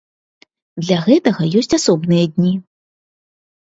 Для гэтага ёсць асобныя дні.